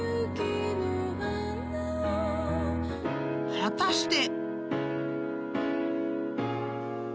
［果たして］